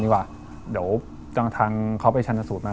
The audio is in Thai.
เดี๋ยวตามทางเขาไปชะนัดสูตรมา